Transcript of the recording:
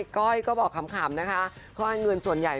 กูบ้านก็คือมีหนี้